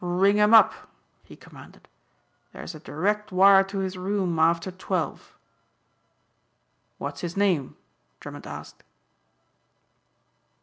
"Ring him up," he commanded, "there's a direct wire to his room after twelve." "What's his name?" Drummond asked.